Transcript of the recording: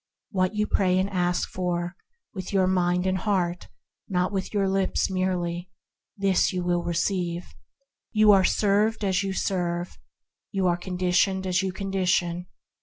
What you pray and ask for — with your mind and heart, not with your lips merely, this you 162 THE HEAVENLY LIFE receive. You are served as you serve. You are conditioned as you condition.